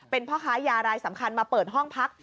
เป็นพ่อค้ายารายสำคัญมาเปิดห้องพัก